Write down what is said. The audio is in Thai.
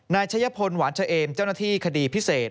นายชัยพลหวานเฉเอมเจ้าหน้าที่คดีพิเศษ